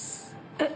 えっ？